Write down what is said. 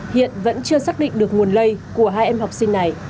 hiện vẫn chưa xác định được nguồn lây của hai em học sinh này